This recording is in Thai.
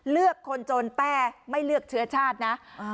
เลือกคนจนแต่ไม่เลือกเชื้อชาตินะ